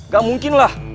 gak mungkin lah